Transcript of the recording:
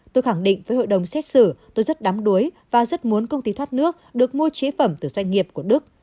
tôi khẳng định với hội đồng xét xử tôi rất đám đuối và rất muốn công ty thoát nước được mua chế phẩm từ doanh nghiệp của đức